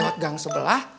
lewat gang sebelah